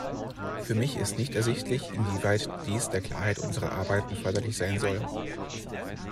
Für mich ist nicht ersichtlich, inwieweit dies der Klarheit unserer Arbeiten förderlich sein soll.